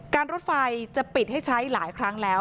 รถไฟจะปิดให้ใช้หลายครั้งแล้ว